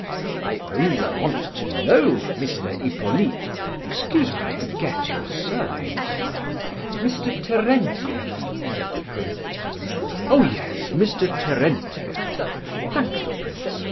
"I only want to know, Mr. Hippolyte—excuse me, I forget your surname." "Mr. Terentieff," said the prince. "Oh yes, Mr. Terentieff. Thank you prince.